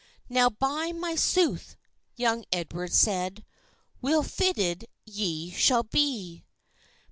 "Now, by my sooth," young Edward said, "Weel fitted ye shall be!